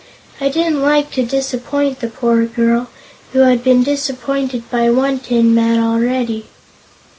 I didn't like to disappoint the poor girl, who had been disappointed by one tin man already."